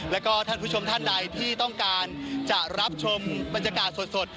แล้วก็ท่านผู้ชมท่านใดที่ต้องการจะรับชมบรรยากาศสด